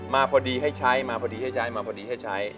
มาพอดีให้ใช้มาพอดีให้ใช้